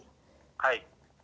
はい。